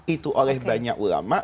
itu oleh banyak ulama'